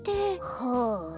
はあ。